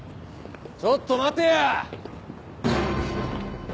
ちょっと待てや！